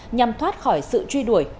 nhằm thoát khỏi sự truy đuổi